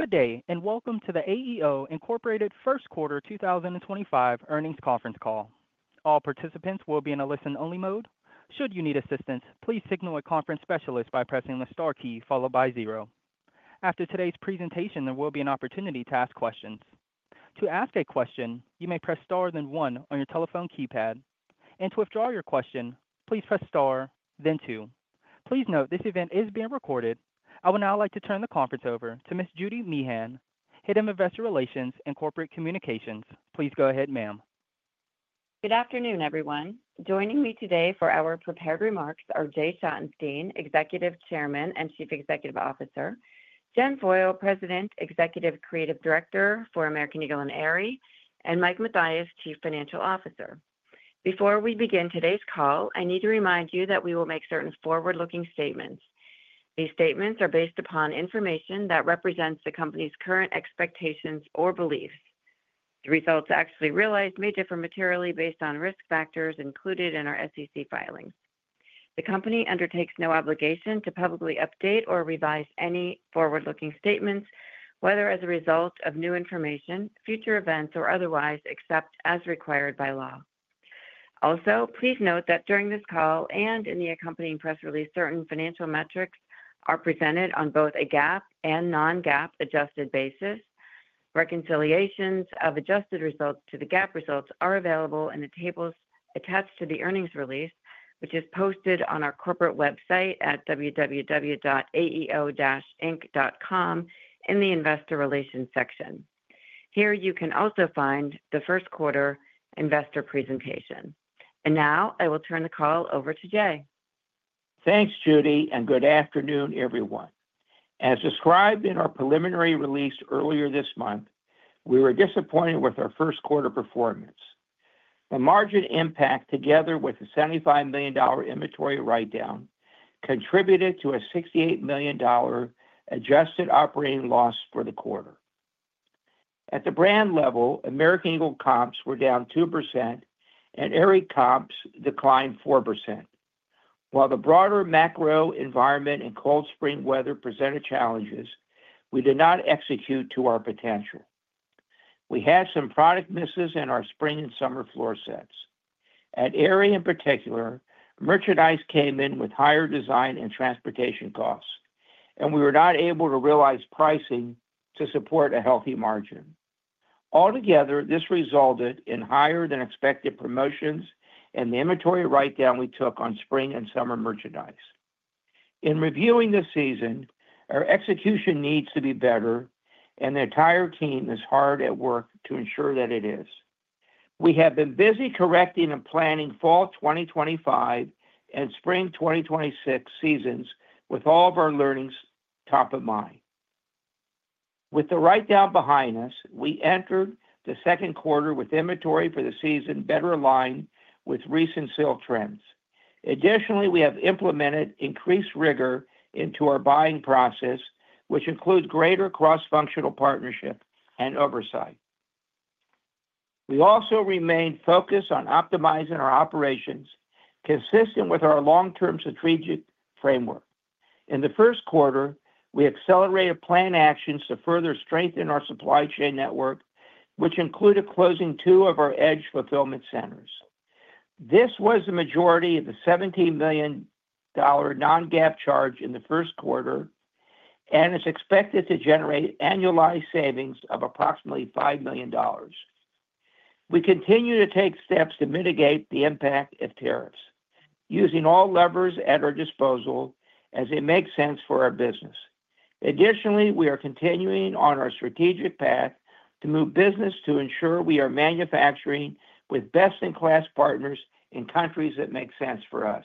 Good day, and welcome to the AEO Incorporated First Quarter 2025 Earnings Conference Call. All participants will be in a listen-only mode. Should you need assistance, please signal a conference specialist by pressing the star key followed by zero. After today's presentation, there will be an opportunity to ask questions. To ask a question, you may press star then one on your telephone keypad. To withdraw your question, please press star then two. Please note this event is being recorded. I would now like to turn the conference over to Ms. Judy Meehan, Head of Investor Relations and Corporate Communications. Please go ahead, ma'am. Good afternoon, everyone. Joining me today for our prepared remarks are Jay Schottenstein, Executive Chairman and Chief Executive Officer; Jen Foyle, President, Executive Creative Director for American Eagle and Aerie; and Mike Mathias, Chief Financial Officer. Before we begin today's call, I need to remind you that we will make certain forward-looking statements. These statements are based upon information that represents the company's current expectations or beliefs. The results actually realized may differ materially based on risk factors included in our SEC filings. The company undertakes no obligation to publicly update or revise any forward-looking statements, whether as a result of new information, future events, or otherwise, except as required by law. Also, please note that during this call and in the accompanying press release, certain financial metrics are presented on both a GAAP and Non-GAAP adjusted basis. Reconciliations of adjusted results to the GAAP results are available in the tables attached to the earnings release, which is posted on our corporate website at www.aeo-inc.com in the Investor Relations section. Here you can also find the first quarter investor presentation. I will now turn the call over to Jay. Thanks, Judy, and good afternoon, everyone. As described in our preliminary release earlier this month, we were disappointed with our first quarter performance. The margin impact, together with the $75 million inventory write-down, contributed to a $68 million adjusted operating loss for the quarter. At the brand level, American Eagle comps were down 2%, and Aerie comps declined 4%. While the broader macro environment and cold spring weather presented challenges, we did not execute to our potential. We had some product misses in our spring and summer floor sets. At Aerie, in particular, merchandise came in with higher design and transportation costs, and we were not able to realize pricing to support a healthy margin. Altogether, this resulted in higher than expected promotions and the inventory write-down we took on spring and summer merchandise. In reviewing this season, our execution needs to be better, and the entire team is hard at work to ensure that it is. We have been busy correcting and planning fall 2025 and spring 2026 seasons with all of our learnings top of mind. With the write-down behind us, we entered the second quarter with inventory for the season better aligned with recent sale trends. Additionally, we have implemented increased rigor into our buying process, which includes greater cross-functional partnership and oversight. We also remained focused on optimizing our operations, consistent with our long-term strategic framework. In the first quarter, we accelerated planned actions to further strengthen our supply chain network, which included closing two of our edge fulfillment centers. This was the majority of the $17 million Non-GAAP charge in the first quarter and is expected to generate annualized savings of approximately $5 million. We continue to take steps to mitigate the impact of tariffs, using all levers at our disposal as it makes sense for our business. Additionally, we are continuing on our strategic path to move business to ensure we are manufacturing with best-in-class partners in countries that make sense for us.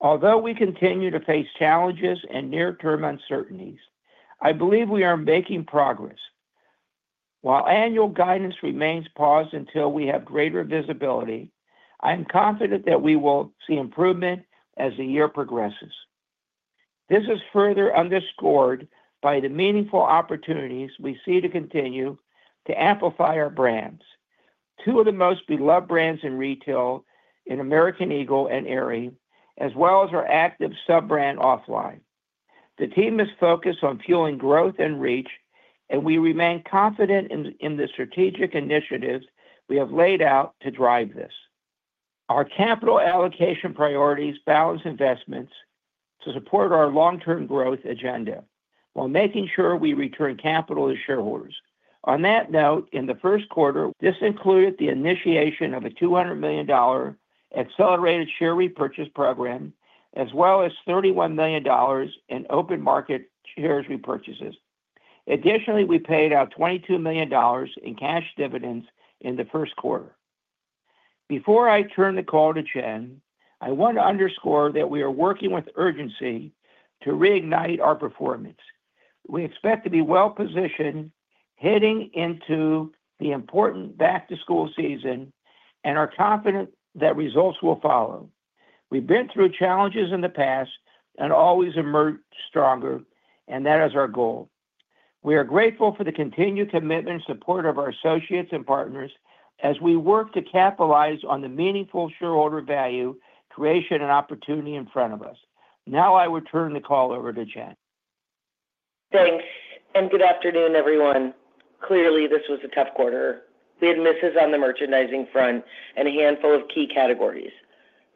Although we continue to face challenges and near-term uncertainties, I believe we are making progress. While annual guidance remains paused until we have greater visibility, I am confident that we will see improvement as the year progresses. This is further underscored by the meaningful opportunities we see to continue to amplify our brands, two of the most beloved brands in retail in American Eagle and Aerie, as well as our active sub-brand OFFLINE. The team is focused on fueling growth and reach, and we remain confident in the strategic initiatives we have laid out to drive this. Our capital allocation priorities balance investments to support our long-term growth agenda while making sure we return capital to shareholders. On that note, in the first quarter, this included the initiation of a $200 million accelerated share repurchase program, as well as $31 million in open market shares repurchases. Additionally, we paid out $22 million in cash dividends in the first quarter. Before I turn the call to Jen, I want to underscore that we are working with urgency to reignite our performance. We expect to be well-positioned heading into the important back-to-school season and are confident that results will follow. We've been through challenges in the past and always emerge stronger, and that is our goal. We are grateful for the continued commitment and support of our associates and partners as we work to capitalize on the meaningful shareholder value creation and opportunity in front of us. Now I will turn the call over to Jen. Thanks, and good afternoon, everyone. Clearly, this was a tough quarter. We had misses on the merchandising front and a handful of key categories.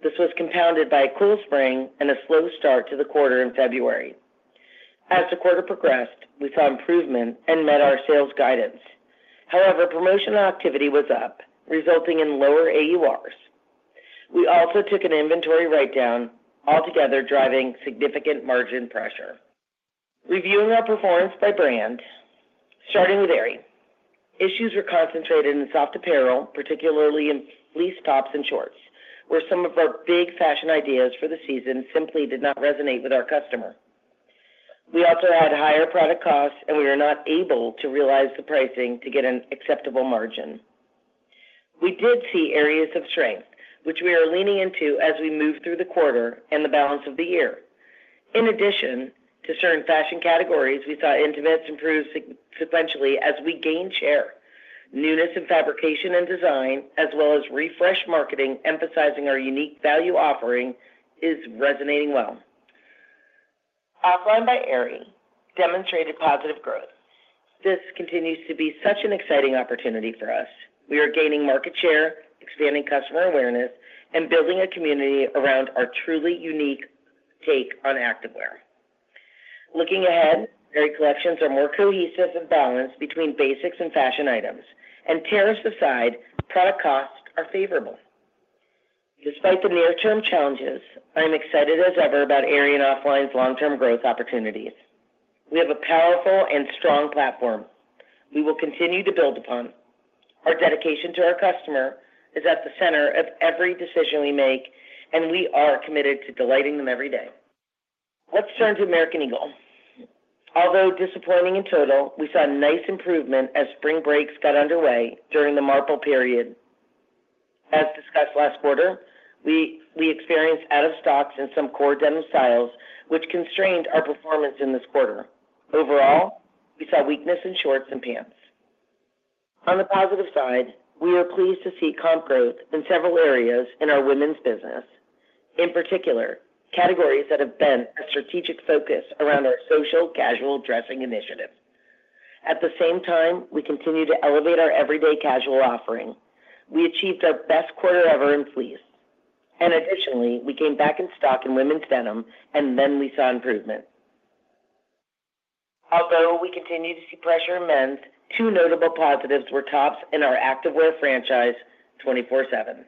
This was compounded by a cool spring and a slow start to the quarter in February. As the quarter progressed, we saw improvement and met our sales guidance. However, promotional activity was up, resulting in lower AURs. We also took an inventory write-down, altogether driving significant margin pressure. Reviewing our performance by brand, starting with Aerie, issues were concentrated in soft apparel, particularly in fleece tops and shorts, where some of our big fashion ideas for the season simply did not resonate with our customer. We also had higher product costs, and we were not able to realize the pricing to get an acceptable margin. We did see areas of strength, which we are leaning into as we move through the quarter and the balance of the year. In addition to certain fashion categories, we saw intimates improve sequentially as we gained share. Newness in fabrication and design, as well as refreshed marketing emphasizing our unique value offering, is resonating well. OFFLINE by Aerie demonstrated positive growth. This continues to be such an exciting opportunity for us. We are gaining market share, expanding customer awareness, and building a community around our truly unique take on activewear. Looking ahead, Aerie collections are more cohesive and balanced between basics and fashion items. Tariffs aside, product costs are favorable. Despite the near-term challenges, I'm excited as ever about Aerie and OFFLINE's long-term growth opportunities. We have a powerful and strong platform. We will continue to build upon. Our dedication to our customer is at the center of every decision we make, and we are committed to delighting them every day. Let's turn to American Eagle. Although disappointing in total, we saw nice improvement as spring breaks got underway during the MARPL period. As discussed last quarter, we experienced out-of-stocks in some core denim styles, which constrained our performance in this quarter. Overall, we saw weakness in shorts and pants. On the positive side, we are pleased to see comp growth in several areas in our women's business, in particular categories that have been a strategic focus around our social casual dressing initiative. At the same time, we continue to elevate our everyday casual offering. We achieved our best quarter ever in fleece. Additionally, we came back in stock in women's denim, and then we saw improvement. Although we continue to see pressure amend, two notable positives were tops in our activewear franchise 24/7.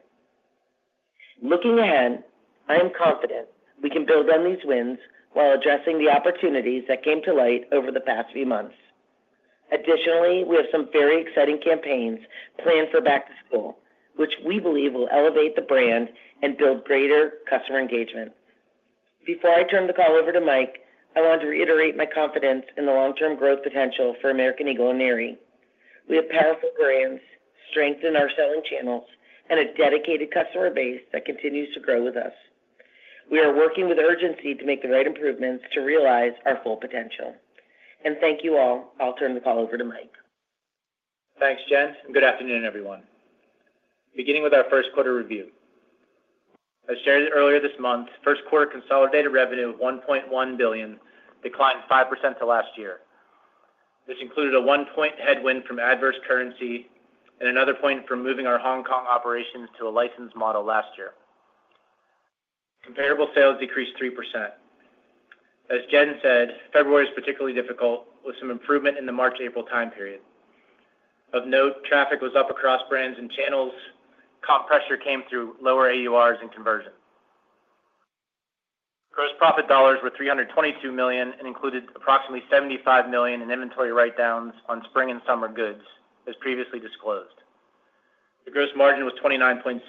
Looking ahead, I am confident we can build on these wins while addressing the opportunities that came to light over the past few months. Additionally, we have some very exciting campaigns planned for back to school, which we believe will elevate the brand and build greater customer engagement. Before I turn the call over to Mike, I want to reiterate my confidence in the long-term growth potential for American Eagle and Aerie. We have powerful brands, strengthened our selling channels, and a dedicated customer base that continues to grow with us. We are working with urgency to make the right improvements to realize our full potential. Thank you all. I'll turn the call over to Mike. Thanks, Jen. Good afternoon, everyone. Beginning with our first quarter review, as shared earlier this month, first quarter consolidated revenue of $1.1 billion declined 5% to last year. This included a one-point headwind from adverse currency and another point from moving our Hong Kong operations to a licensed model last year. Comparable sales decreased 3%. As Jen said, February is particularly difficult with some improvement in the March-April time period. Of note, traffic was up across brands and channels. Comp pressure came through lower AURs and conversion. Gross profit dollars were $322 million and included approximately $75 million in inventory write-downs on spring and summer goods, as previously disclosed. The gross margin was 29.6%.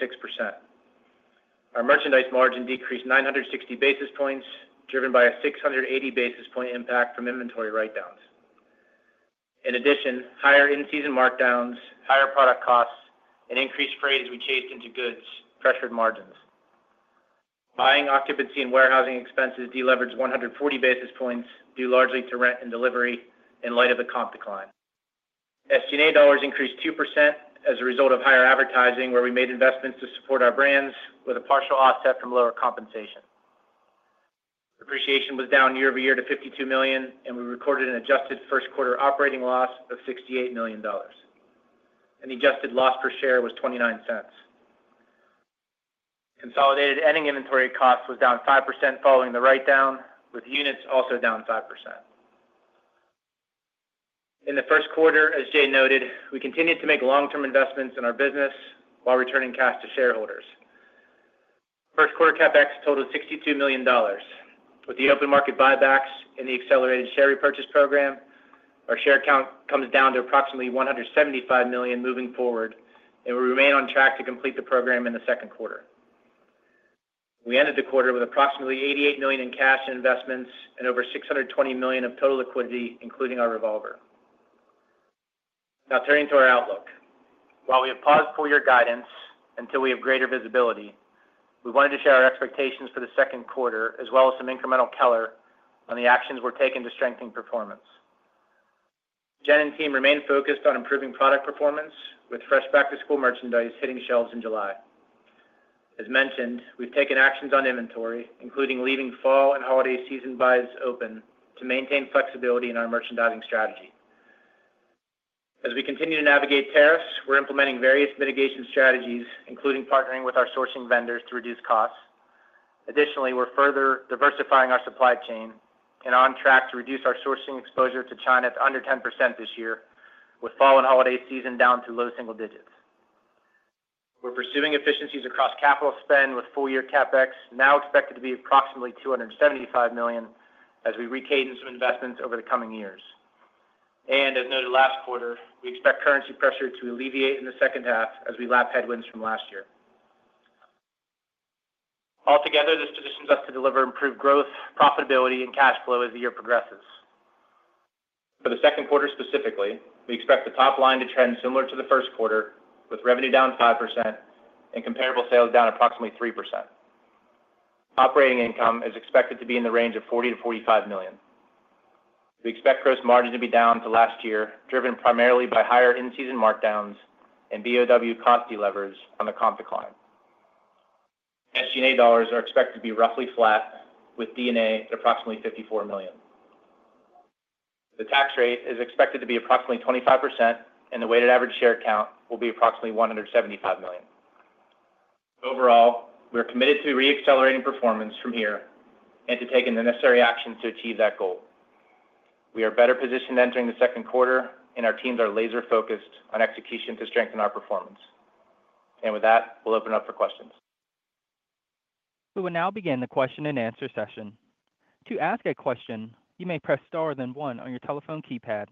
Our merchandise margin decreased 960 basis points, driven by a 680 basis point impact from inventory write-downs. In addition, higher in-season markdowns, higher product costs, and increased freight as we chased into goods pressured margins. Buying occupancy and warehousing expenses deleveraged 140 basis points, due largely to rent and delivery in light of the comp decline. SG&A dollars increased 2% as a result of higher advertising, where we made investments to support our brands with a partial offset from lower compensation. Appreciation was down year over year to $52 million, and we recorded an adjusted first quarter operating loss of $68 million. The adjusted loss per share was $0.29. Consolidated ending inventory costs was down 5% following the write-down, with units also down 5%. In the first quarter, as Jay noted, we continued to make long-term investments in our business while returning cash to shareholders. First quarter CapEx totaled $62 million. With the open market buybacks and the accelerated share repurchase program, our share count comes down to approximately $175 million moving forward, and we remain on track to complete the program in the second quarter. We ended the quarter with approximately $88 million in cash and investments and over $620 million of total liquidity, including our revolver. Now turning to our outlook, while we have paused four-year guidance until we have greater visibility, we wanted to share our expectations for the second quarter, as well as some incremental color on the actions we're taking to strengthen performance. Jen and team remain focused on improving product performance with fresh back-to-school merchandise hitting shelves in July. As mentioned, we've taken actions on inventory, including leaving fall and holiday season buys open to maintain flexibility in our merchandising strategy. As we continue to navigate tariffs, we're implementing various mitigation strategies, including partnering with our sourcing vendors to reduce costs. Additionally, we're further diversifying our supply chain and on track to reduce our sourcing exposure to China to under 10% this year, with fall and holiday season down to low single digits. We're pursuing efficiencies across capital spend with full-year CapEx now expected to be approximately $275 million as we recaden some investments over the coming years. As noted last quarter, we expect currency pressure to alleviate in the second half as we lap headwinds from last year. Altogether, this positions us to deliver improved growth, profitability, and cash flow as the year progresses. For the second quarter specifically, we expect the top line to trend similar to the first quarter, with revenue down 5% and comparable sales down approximately 3%. Operating income is expected to be in the range of $40-$45 million. We expect gross margin to be down to last year, driven primarily by higher in-season markdowns and BOW cost delivers on the comp decline. SG&A dollars are expected to be roughly flat, with DNA at approximately $54 million. The tax rate is expected to be approximately 25%, and the weighted average share count will be approximately 175 million. Overall, we are committed to re-accelerating performance from here and to taking the necessary actions to achieve that goal. We are better positioned entering the second quarter, and our teams are laser-focused on execution to strengthen our performance. With that, we'll open up for questions. We will now begin the question-and-answer session. To ask a question, you may press star then one on your telephone keypad.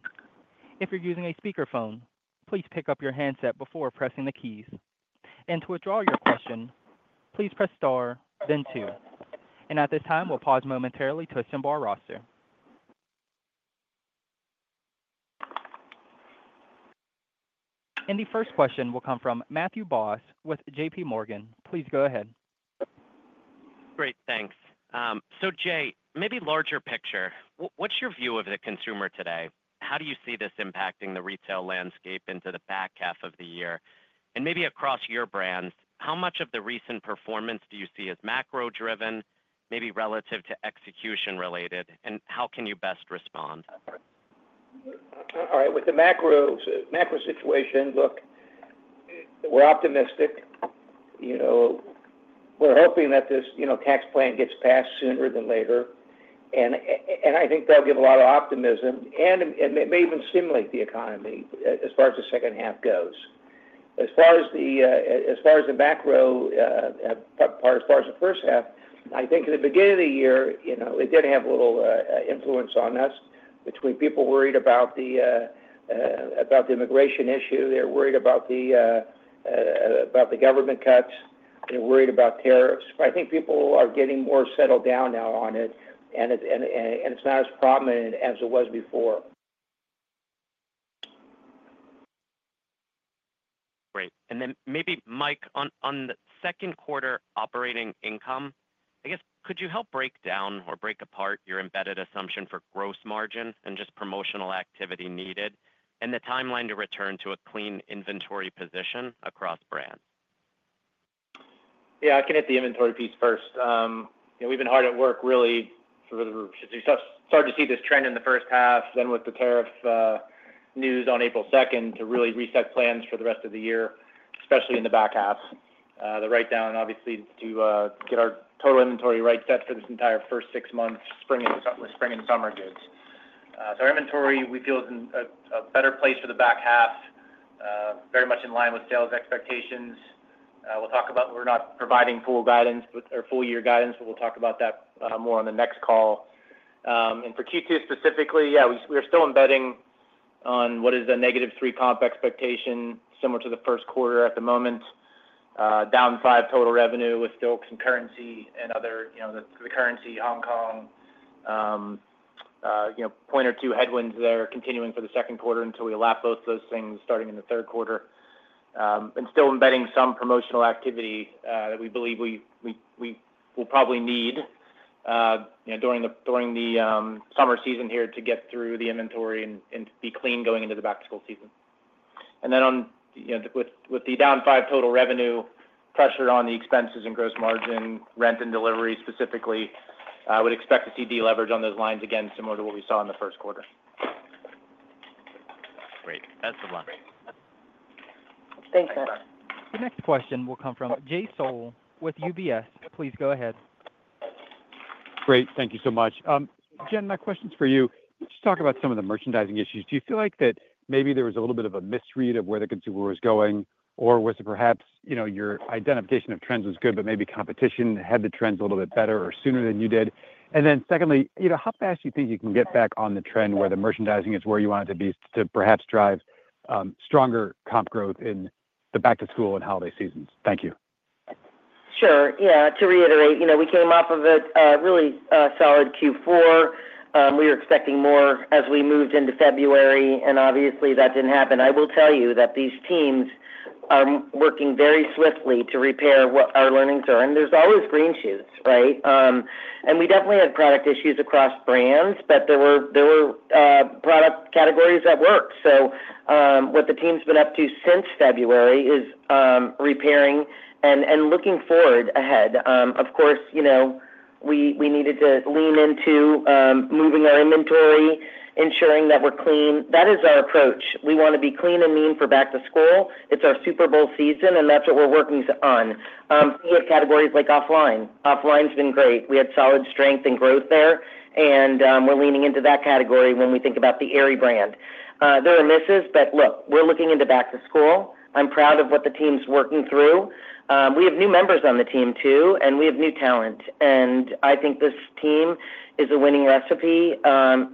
If you're using a speakerphone, please pick up your handset before pressing the keys. To withdraw your question, please press star then two. At this time, we'll pause momentarily to assemble our roster. The first question will come from Matthew Boss with JPMorgan. Please go ahead. Great. Thanks. Jay, maybe larger picture, what's your view of the consumer today? How do you see this impacting the retail landscape into the back half of the year? Maybe across your brands, how much of the recent performance do you see as macro-driven, maybe relative to execution-related? How can you best respond? All right. With the macro situation, look, we're optimistic. We're hoping that this tax plan gets passed sooner than later. I think that'll give a lot of optimism, and it may even stimulate the economy as far as the second half goes. As far as the macro part, as far as the first half, I think in the beginning of the year, it did have a little influence on us between people worried about the immigration issue. They're worried about the government cuts. They're worried about tariffs. I think people are getting more settled down now on it, and it's not as prominent as it was before. Great. Maybe, Mike, on the second quarter operating income, I guess, could you help break down or break apart your embedded assumption for gross margin and just promotional activity needed and the timeline to return to a clean inventory position across brands? Yeah. I can hit the inventory piece first. We've been hard at work, really, to start to see this trend in the first half, then with the tariff news on April 2nd to really reset plans for the rest of the year, especially in the back half. The write-down, obviously, to get our total inventory right set for this entire first six months, spring and summer goods. So our inventory, we feel, is in a better place for the back half, very much in line with sales expectations. We'll talk about we're not providing full guidance or full-year guidance, but we'll talk about that more on the next call. For Q2 specifically, yeah, we are still embedding on what is a negative 3% comp expectation, similar to the first quarter at the moment. Down five total revenue with still some currency and other the currency, Hong Kong, point or two headwinds there continuing for the second quarter until we lap both those things starting in the third quarter. Still embedding some promotional activity that we believe we will probably need during the summer season here to get through the inventory and be clean going into the back to school season. With the down five total revenue pressure on the expenses and gross margin, rent and delivery specifically, I would expect to see deleverage on those lines again, similar to what we saw in the first quarter. Great. Best of luck. Thanks, guys. The next question will come from Jay Sole with UBS. Please go ahead. Great. Thank you so much. Jen, my question's for you. Let's talk about some of the merchandising issues. Do you feel like that maybe there was a little bit of a misread of where the consumer was going, or was it perhaps your identification of trends was good, but maybe competition had the trends a little bit better or sooner than you did? Secondly, how fast do you think you can get back on the trend where the merchandising is where you want it to be to perhaps drive stronger comp growth in the back to school and holiday seasons? Thank you. Sure. Yeah. To reiterate, we came off of a really solid Q4. We were expecting more as we moved into February, and obviously, that did not happen. I will tell you that these teams are working very swiftly to repair what our learnings are. And there is always green shoots, right? And we definitely had product issues across brands, but there were product categories that worked. So what the team's been up to since February is repairing and looking forward ahead. Of course, we needed to lean into moving our inventory, ensuring that we are clean. That is our approach. We want to be clean and mean for back to school. It is our Super Bowl season, and that is what we are working on. We have categories like OFFLINE. OFFLINE's been great. We had solid strength and growth there, and we are leaning into that category when we think about the Aerie brand. There are misses, but look, we're looking into back to school. I'm proud of what the team's working through. We have new members on the team too, and we have new talent. I think this team is a winning recipe,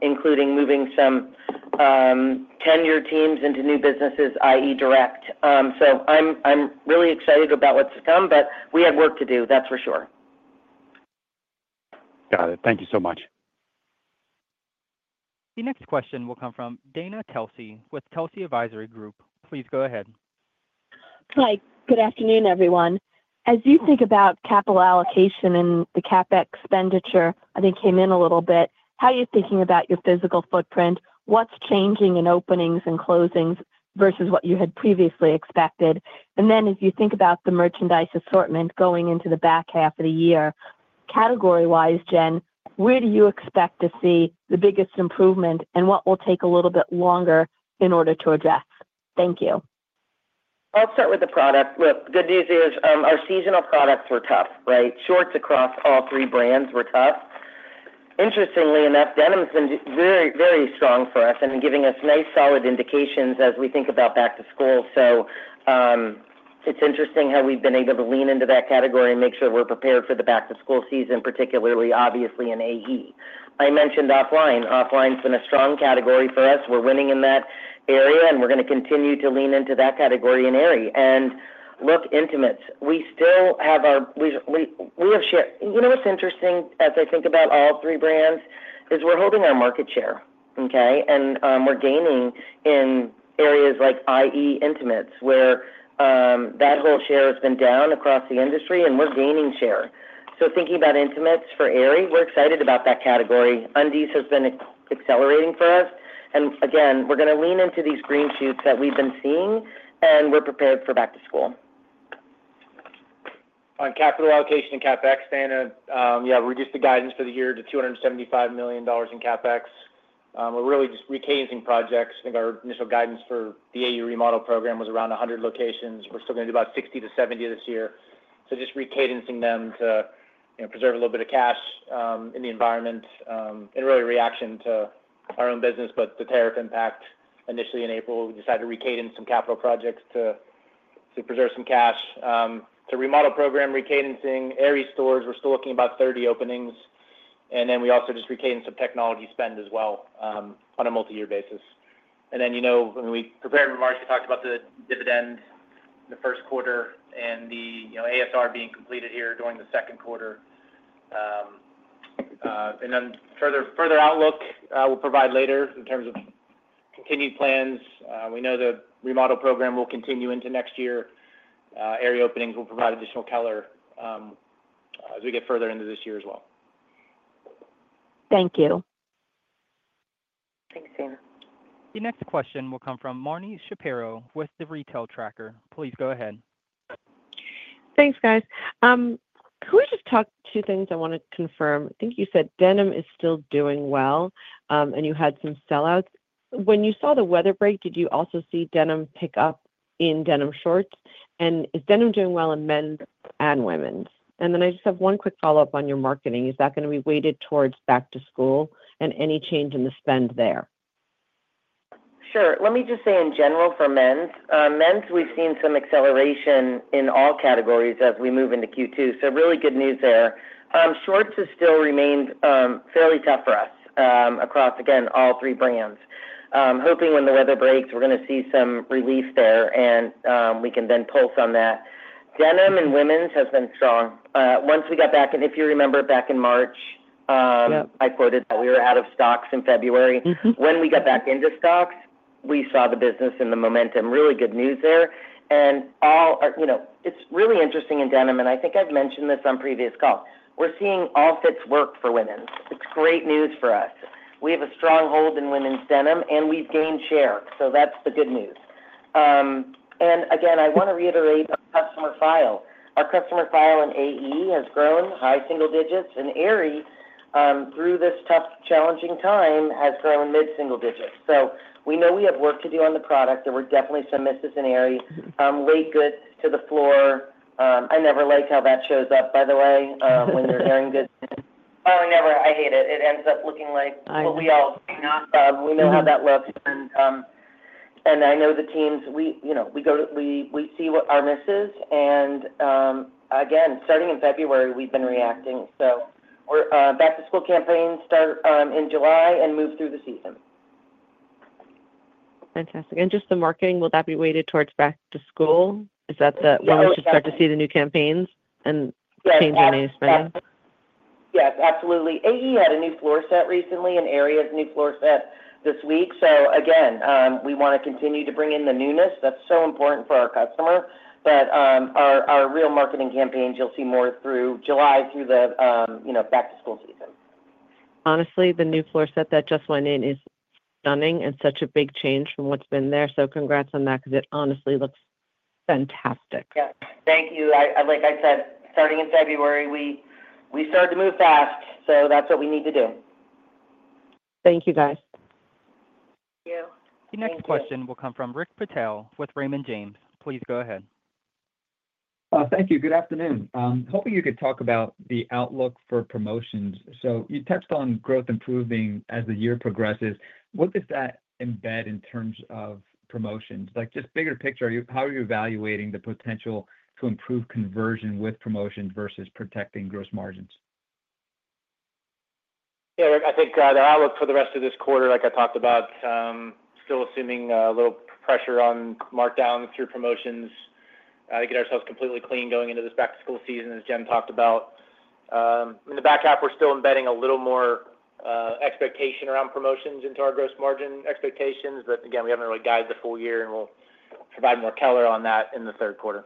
including moving some tenured teams into new businesses, i.e., direct. I'm really excited about what's to come, but we have work to do, that's for sure. Got it. Thank you so much. The next question will come from Dana Telsey with Telsey Advisory Group. Please go ahead. Hi. Good afternoon, everyone. As you think about capital allocation and the CapEx expenditure, I think came in a little bit, how are you thinking about your physical footprint? What's changing in openings and closings versus what you had previously expected? As you think about the merchandise assortment going into the back half of the year, category-wise, Jen, where do you expect to see the biggest improvement, and what will take a little bit longer in order to address? Thank you. I'll start with the product. Look, the good news is our seasonal products were tough, right? Shorts across all three brands were tough. Interestingly enough, denim's been very, very strong for us and giving us nice solid indications as we think about back to school. It's interesting how we've been able to lean into that category and make sure we're prepared for the back to school season, particularly, obviously, in AE. I mentioned OFFLINE. OFFLINE's been a strong category for us. We're winning in that area, and we're going to continue to lean into that category in Aerie. And look, intimates, we still have our—we have share. You know what's interesting as I think about all three brands is we're holding our market share, okay? And we're gaining in areas like, i.e., intimates, where that whole share has been down across the industry, and we're gaining share. Thinking about intimates for Aerie, we're excited about that category. Undies has been accelerating for us. Again, we're going to lean into these green shoots that we've been seeing, and we're prepared for back to school. On capital allocation and CapEx, Dana, yeah, we reduced the guidance for the year to $275 million in CapEx. We're really just recadencing projects. I think our initial guidance for the AE remodel program was around 100 locations. We're still going to do about 60-70 this year. Just recadencing them to preserve a little bit of cash in the environment and really reaction to our own business, but the tariff impact initially in April, we decided to recadence some capital projects to preserve some cash. Remodel program recadencing. Aerie stores, we're still looking about 30 openings. We also just recadence some technology spend as well on a multi-year basis. In the prepared remarks, we talked about the dividend in the first quarter and the ASR being completed here during the second quarter. Further outlook we'll provide later in terms of continued plans. We know the remodel program will continue into next year. Aerie openings will provide additional color as we get further into this year as well. Thank you. Thanks, Dana. The next question will come from Marni Shapiro with The Retail Tracker. Please go ahead. Thanks, guys. Can we just talk two things I want to confirm? I think you said denim is still doing well, and you had some sellouts. When you saw the weather break, did you also see denim pick up in denim shorts? Is denim doing well in men's and women's? I just have one quick follow-up on your marketing. Is that going to be weighted towards back to school and any change in the spend there? Sure. Let me just say in general for men's, we've seen some acceleration in all categories as we move into Q2. Really good news there. Shorts has still remained fairly tough for us across, again, all three brands. Hoping when the weather breaks, we're going to see some relief there, and we can then pulse on that. Denim and women's has been strong. Once we got back, and if you remember back in March, I quoted that we were out of stocks in February. When we got back into stocks, we saw the business and the momentum. Really good news there. It's really interesting in denim, and I think I've mentioned this on previous calls. We're seeing All Fits work for women's. It's great news for us. We have a strong hold in women's denim, and we've gained share. That's the good news. I want to reiterate our customer file. Our customer file in AE has grown high single digits, and Aerie, through this tough, challenging time, has grown mid-single digits. We know we have work to do on the product, and there were definitely some misses in Aerie. Late goods to the floor. I never like how that shows up, by the way, when you are airing goods. Oh, I never. I hate it. It ends up looking like what we all—we know how that looks. I know the teams, we go to—we see our misses. Starting in February, we have been reacting. Back to school campaigns start in July and move through the season. Fantastic. Just the marketing, will that be weighted towards back to school? Is that when we should start to see the new campaigns and change on AU spending? Yes. Absolutely. AE had a new floor set recently, and Aerie has a new floor set this week. Again, we want to continue to bring in the newness. That's so important for our customer. Our real marketing campaigns, you'll see more through July through the back to school season. Honestly, the new floor set that just went in is stunning and such a big change from what's been there. Congrats on that because it honestly looks fantastic. Yes. Thank you. Like I said, starting in February, we started to move fast. That is what we need to do. Thank you, guys. Thank you. The next question will come from Rick Patel with Raymond James. Please go ahead. Thank you. Good afternoon. Hoping you could talk about the outlook for promotions. You touched on growth improving as the year progresses. What does that embed in terms of promotions? Just bigger picture, how are you evaluating the potential to improve conversion with promotions versus protecting gross margins? Yeah. I think the outlook for the rest of this quarter, like I talked about, still assuming a little pressure on markdowns through promotions to get ourselves completely clean going into this back to school season, as Jen talked about. In the back half, we're still embedding a little more expectation around promotions into our gross margin expectations. Again, we haven't really guided the full year, and we'll provide more color on that in the third quarter.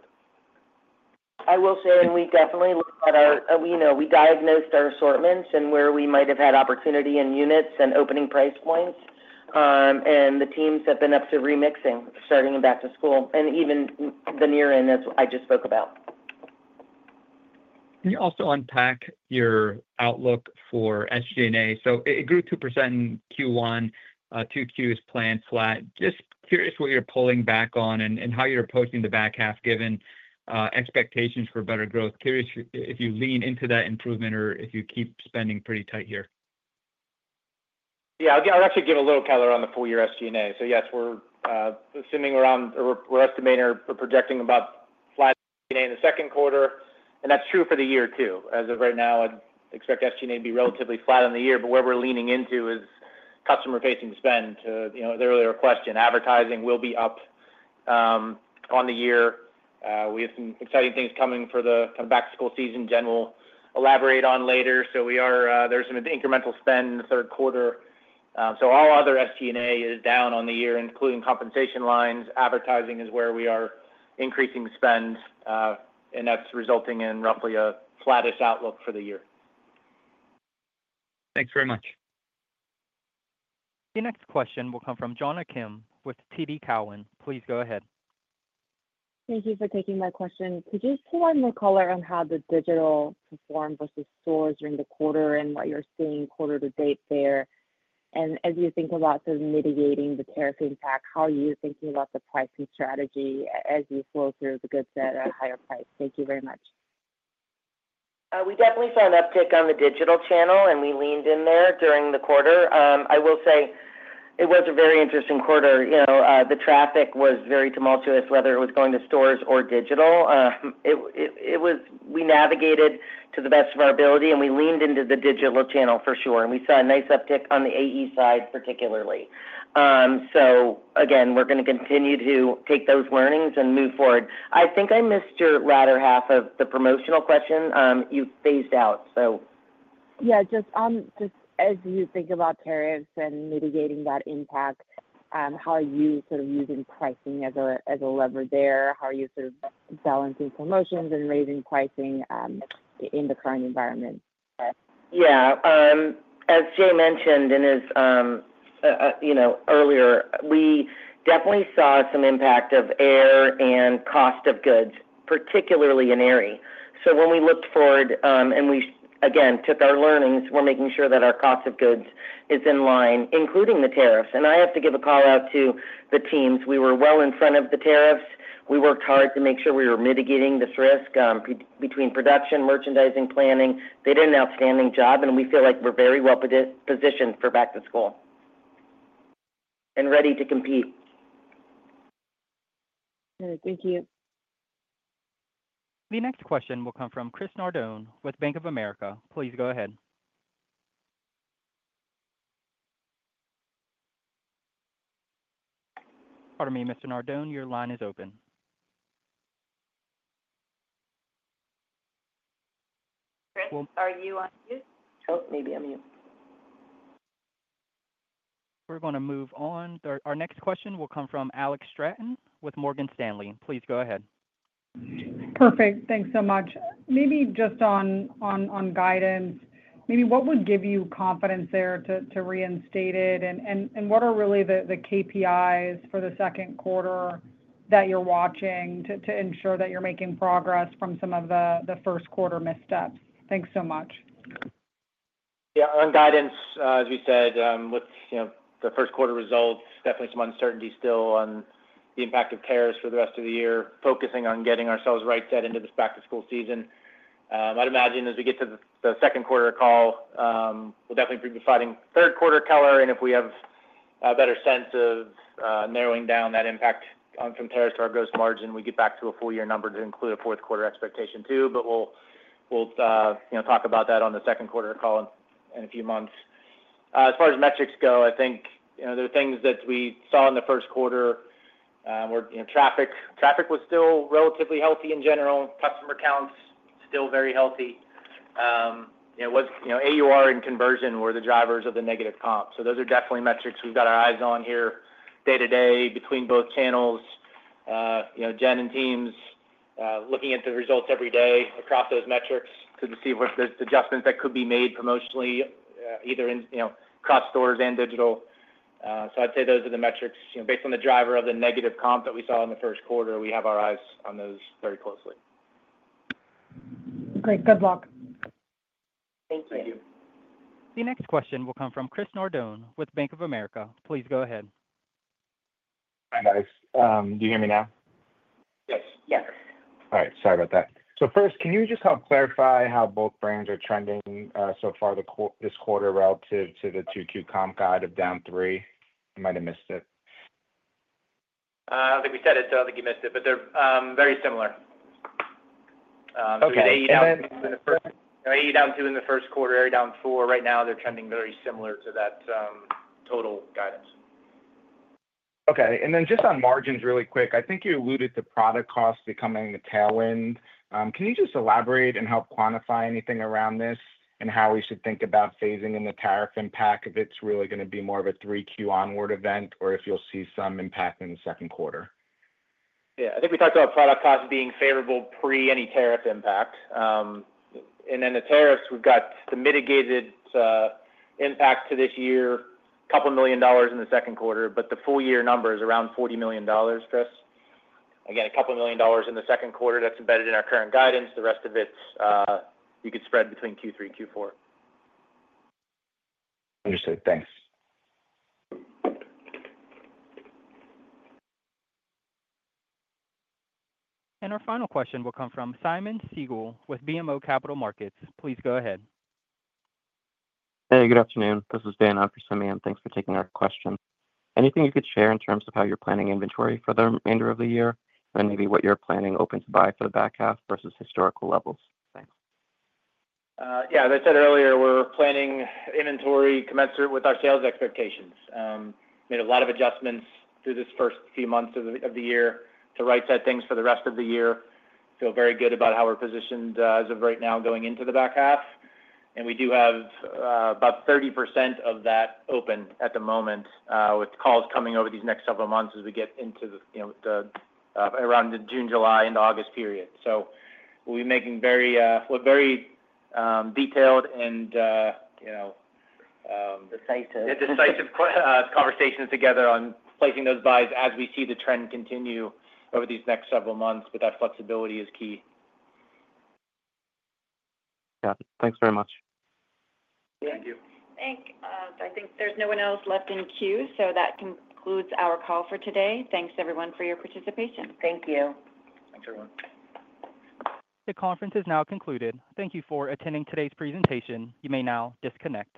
I will say, and we definitely look at our—we diagnosed our assortments and where we might have had opportunity in units and opening price points. The teams have been up to remixing starting in back to school and even the near end, as I just spoke about. Can you also unpack your outlook for SG&A? So it grew 2% in Q1. Two Qs planned flat. Just curious what you're pulling back on and how you're approaching the back half given expectations for better growth. Curious if you lean into that improvement or if you keep spending pretty tight here. Yeah. Again, I'll actually give a little color on the full year SG&A. Yes, we're assuming around—we're estimating or projecting about flat SG&A in the second quarter. That is true for the year too. As of right now, I'd expect SG&A to be relatively flat on the year, but where we're leaning into is customer-facing spend. To the earlier question, advertising will be up on the year. We have some exciting things coming for the kind of back-to-school season Jen will elaborate on later. There is some incremental spend in the third quarter. All other SG&A is down on the year, including compensation lines. Advertising is where we are increasing spend, and that is resulting in roughly a flattest outlook for the year. Thanks very much. The next question will come from Jonna Kim with TD Cowen. Please go ahead. Thank you for taking my question. Could you just provide more color on how the digital performed versus stores during the quarter and what you're seeing quarter to date there? As you think about sort of mitigating the tariff impact, how are you thinking about the pricing strategy as you flow through the goods at a higher price? Thank you very much. We definitely saw an uptick on the digital channel, and we leaned in there during the quarter. I will say it was a very interesting quarter. The traffic was very tumultuous, whether it was going to stores or digital. We navigated to the best of our ability, and we leaned into the digital channel for sure. We saw a nice uptick on the AE side, particularly. Again, we're going to continue to take those learnings and move forward. I think I missed your latter half of the promotional question. You phased out, so. Yeah. Just as you think about tariffs and mitigating that impact, how are you sort of using pricing as a lever there? How are you sort of balancing promotions and raising pricing in the current environment? Yeah. As Jay mentioned and as earlier, we definitely saw some impact of air and cost of goods, particularly in Aerie. When we looked forward and we, again, took our learnings, we're making sure that our cost of goods is in line, including the tariffs. I have to give a call out to the teams. We were well in front of the tariffs. We worked hard to make sure we were mitigating this risk between production, merchandising, planning. They did an outstanding job, and we feel like we're very well positioned for back to school and ready to compete. Thank you. The next question will come from Chris Nardone with Bank of America. Please go ahead. Pardon me, Mr. Nardone, your line is open. Chris, are you on mute? Oh, maybe I'm mute. We're going to move on. Our next question will come from Alex Straton with Morgan Stanley. Please go ahead. Perfect. Thanks so much. Maybe just on guidance, maybe what would give you confidence there to reinstate it? What are really the KPIs for the second quarter that you're watching to ensure that you're making progress from some of the first quarter missteps? Thanks so much. Yeah. On guidance, as we said, with the first quarter results, definitely some uncertainty still on the impact of tariffs for the rest of the year, focusing on getting ourselves right set into this back to school season. I'd imagine as we get to the second quarter call, we'll definitely be providing third quarter color. If we have a better sense of narrowing down that impact from tariffs to our gross margin, we get back to a full year number to include a fourth quarter expectation too. We'll talk about that on the second quarter call in a few months. As far as metrics go, I think there are things that we saw in the first quarter. Traffic was still relatively healthy in general. Customer counts still very healthy. AUR and conversion were the drivers of the negative comp. Those are definitely metrics we've got our eyes on here day to day between both channels. Jen and teams looking at the results every day across those metrics to see if there's adjustments that could be made promotionally, either across stores and digital. I'd say those are the metrics. Based on the driver of the negative comp that we saw in the first quarter, we have our eyes on those very closely. Great. Good luck. Thank you. Thank you. The next question will come from Chris Nardone with Bank of America. Please go ahead. Hi, guys. Do you hear me now? Yes. Yes. All right. Sorry about that. First, can you just help clarify how both brands are trending so far this quarter relative to the 2Q comp guide of down 3%? I might have missed it. I think we said it, so I think you missed it. But they're very similar. AE down 2 in the first quarter, Aerie down 4. Right now, they're trending very similar to that total guidance. Okay. And then just on margins, really quick, I think you alluded to product costs becoming a tailwind. Can you just elaborate and help quantify anything around this and how we should think about phasing in the tariff impact if it's really going to be more of a 3Q onward event or if you'll see some impact in the second quarter? Yeah. I think we talked about product costs being favorable pre any tariff impact. The tariffs, we've got the mitigated impact to this year, a couple million dollars in the second quarter, but the full year number is around $40 million, Chris. Again, a couple million dollars in the second quarter that's embedded in our current guidance. The rest of it, you could spread between Q3 and Q4. Understood. Thanks. Our final question will come from Simon Siegel with BMO Capital Markets. Please go ahead. Hey, good afternoon. This is Dan Anderson, and thanks for taking our question. Anything you could share in terms of how you're planning inventory for the remainder of the year and maybe what you're planning open to buy for the back half versus historical levels? Thanks. Yeah. As I said earlier, we're planning inventory commensurate with our sales expectations. Made a lot of adjustments through this first few months of the year to right-set things for the rest of the year. Feel very good about how we're positioned as of right now going into the back half. We do have about 30% of that open at the moment with calls coming over these next several months as we get into the around the June, July, and August period. We will be making very detailed and. Decisive. Decisive conversations together on placing those buys as we see the trend continue over these next several months, but that flexibility is key. Got it. Thanks very much. Thank you. Thanks. I think there's no one else left in queue, so that concludes our call for today. Thanks, everyone, for your participation. Thank you. Thanks, everyone. The conference is now concluded. Thank you for attending today's presentation. You may now disconnect.